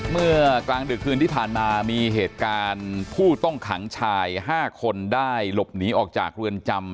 เมื่อกลางดึกคืนที่ผ่านมามีเหตุการณ์ผู้ต้องขังชาย๕คนได้หลบหนีออกจากเรือนจำ